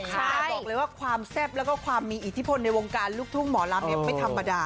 แต่บอกเลยว่าความแซ่บแล้วก็ความมีอิทธิพลในวงการลูกทุ่งหมอลำไม่ธรรมดา